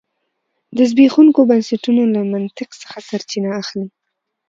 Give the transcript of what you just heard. د زبېښونکو بنسټونو له منطق څخه سرچینه اخلي.